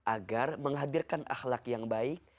agar menghadirkan ahlak yang baik